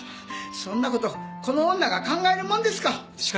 そんなことこの女が考えるもんですか！